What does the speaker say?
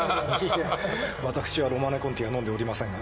いや私は「ロマネ・コンティ」は飲んでおりませんが。